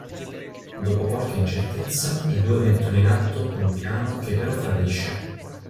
Dopo qualche incertezza, i due mettono in atto un piano che però fallisce.